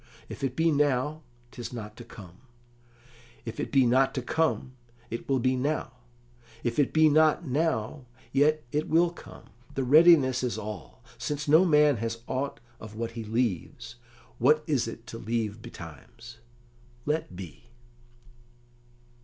If it be now, 'tis not to come; if it be not to come, it will be now; if it be not now, yet it will come; the readiness is all: since no man has aught of what he leaves, what is it to leave betimes? Let be."